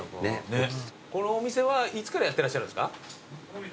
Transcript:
このお店はいつからやってらっしゃるんですか？